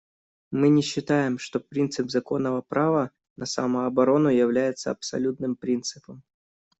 Мы не считаем, что принцип законного права на самооборону является абсолютным принципом.